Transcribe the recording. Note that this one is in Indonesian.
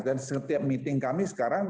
dan setiap meeting kami sekarang